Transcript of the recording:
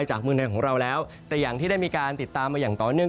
อีกอย่างที่ได้มีการติดตามมาอย่างตอนเนื่อง